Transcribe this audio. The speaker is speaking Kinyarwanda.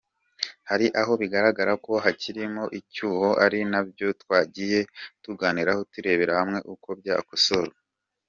Hari aho bigaragara ko hakirimo icyuho ari nabyo twagiye tuganiraho turebera hamwe uko byakosorwa”.